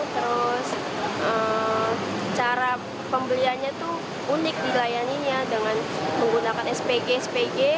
terus cara pembeliannya tuh unik dilayaninya dengan menggunakan spg spg